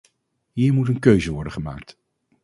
Hier moet een keuze worden gemaakt.